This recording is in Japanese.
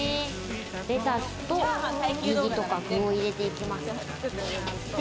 レタスとネギとか具を入れていきます。